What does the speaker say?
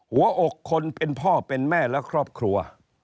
หัวอกคนเป็นพ่อเป็นแม่และครอบครัว